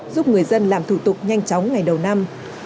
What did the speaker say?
giúp người dân làm thủ tục nhanh chóng ngày đầu năm